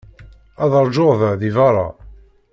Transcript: Ad ṛjuɣ da, deg beṛṛa.